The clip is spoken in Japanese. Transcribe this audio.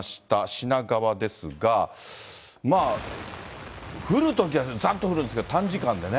品川ですが、まあ、降るときはざっと降るんですが、短時間でね。